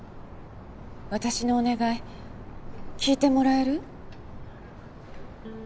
私のお願い聞いてもらえる？